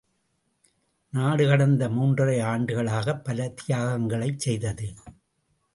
நாடு, கடந்த மூன்றரை ஆண்டுகளாகப் பல தியாகங்களைச் செய்தது.